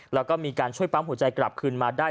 แล้วก็มีการช่วยปั๊มหัวใจกลับคืนมาได้